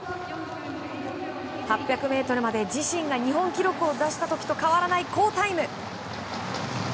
８００ｍまで自身が日本記録を出した時と変わらない好タイム。